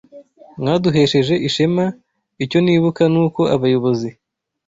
mwaduhesheje ishema icyo nibuka nuko abayobozi